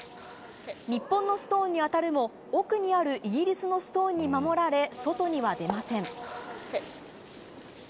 日本のストーンに当たるも奥にあるイギリスのストーンに守られ外には出ません。